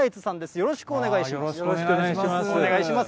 よろしくお願いします。